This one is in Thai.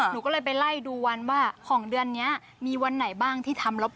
หนูก็เลยไปไล่ดูวันว่าของเดือนนี้มีวันไหนบ้างที่ทำลบ